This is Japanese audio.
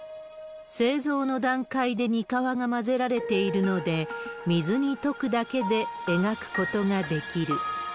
製造の段階でにかわが混ぜられているので、水に溶くだけで描くことができる。